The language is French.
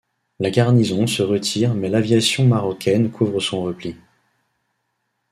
La garnison se retire mais l'aviation marocaine couvre son repli.